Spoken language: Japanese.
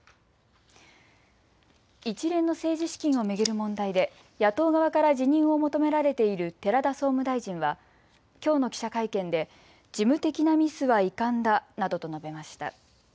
一連の政治資金を巡る問題で野党側から辞任を求められている寺田総務大臣はきょうの記者会見で事務的なミスは遺憾だなどと述べました。